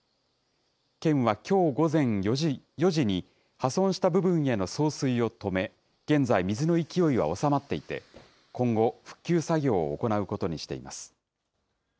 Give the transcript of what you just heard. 県はきょう午前４時に、破損した部分への送水を止め、現在、水の勢いは収まっていて、今後、復旧作業を行うことにしています。